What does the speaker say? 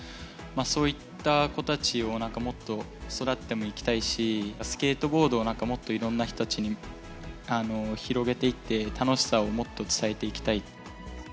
そういった子たちをもっと育ててもいきたいし、スケートボードを、なんかもっといろんな人たちに広げていって、楽しさをもっと伝えていきたい。